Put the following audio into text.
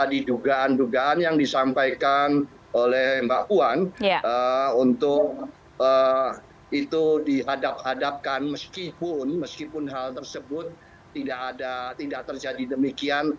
jadi tadi dugaan dugaan yang disampaikan oleh mbak puan untuk itu dihadap hadapkan meskipun hal tersebut tidak terjadi demikian